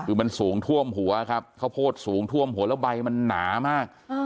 คือมันสูงท่วมหัวครับข้าวโพดสูงท่วมหัวแล้วใบมันหนามาก